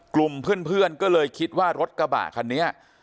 กลุ่มเพื่อนก็เลยคิดว่ารถกระบะคันนี้